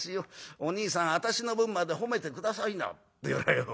おにいさん私の分まで褒めて下さいな』って言うからよ